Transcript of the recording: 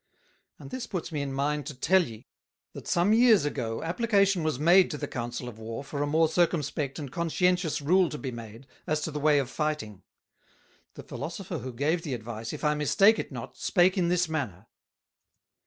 And this puts me in mind to tell ye, that some Years ago application was made to the Council of War for a more circumspect and conscientious Rule to be made, as to the way of Fighting. The Philosopher who gave the advice, if I mistake it not, spake in this manner.